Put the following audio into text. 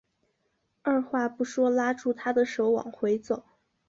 二话不说拉住她的手往回走